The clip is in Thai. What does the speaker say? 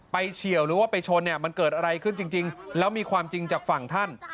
เฉียวหรือว่าไปชนเนี่ยมันเกิดอะไรขึ้นจริงแล้วมีความจริงจากฝั่งท่าน